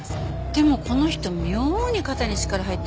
でもこの人妙に肩に力入ってません？